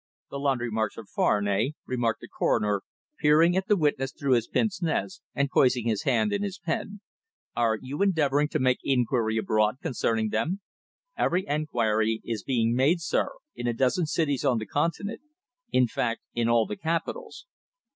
"The laundry marks are foreign, eh?" remarked the coroner, peering at the witness through his pince nez, and poising his pen in his hand. "Are you endeavouring to make inquiry abroad concerning them?" "Every inquiry is being made, sir, in a dozen cities on the continent. In fact, in all the capitals."